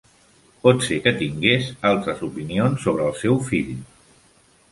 Pot ser que tingués altres opinions sobre el seu fill.